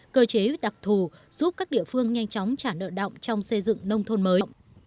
cơ chế đặc thù giúp các địa phương nhanh chóng trả nợ động trong xây dựng nông thôn mới